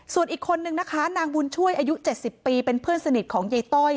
ส่วนอีกคนนึงนะคะนางบุญช่วยอายุ๗๐ปีเป็นเพื่อนสนิทของยายต้อย